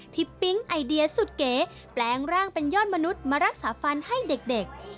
ปิ๊งไอเดียสุดเก๋แปลงร่างเป็นยอดมนุษย์มารักษาฟันให้เด็ก